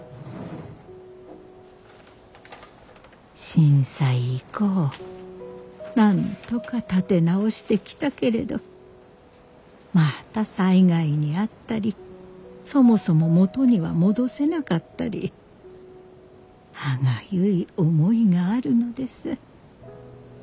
震災以降なんとか立て直してきたけれどまた災害に遭ったりそもそも元には戻せなかったり歯がゆい思いがあるのです。